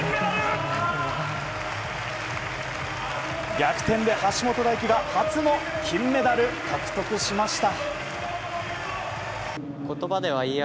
逆転で橋本大輝が初の金メダル獲得しました。